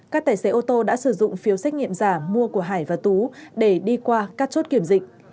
các tài xế ô tô đã sử dụng phiếu xét nghiệm giả mua của hải và tú để đi qua các chốt kiểm dịch